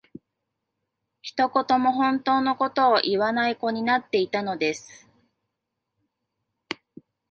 一言も本当の事を言わない子になっていたのです